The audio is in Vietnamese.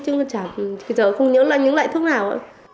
chứ chả giờ không nhớ là những loại thuốc nào